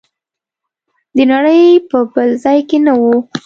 د نړۍ په بل ځای کې نه و.